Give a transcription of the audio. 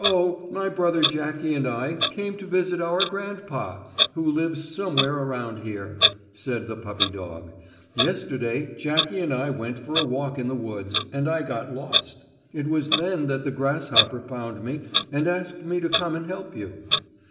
"Oh, my brother Jackie and I came to visit our grandpa, who lives somewhere around here," said the puppy dog. "Yesterday Jackie and I went for a walk in the woods, and I got lost. It was then that the grasshopper found me and asked me to come and help you."